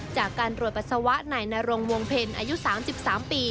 จากการรวดปัสสาวะนายนรงวงเพลอายุ๓๓ปี